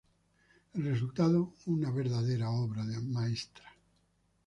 El resultado, una verdadera obra maestra.